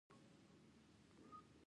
د نجونو تعلیم د حقونو پوهاوی زیاتوي.